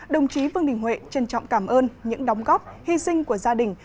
đồng chí vương đình huệ trân trọng cảm ơn những đóng góp hy sinh của gia đình